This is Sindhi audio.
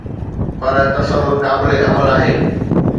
پر تصور قابل عمل آهي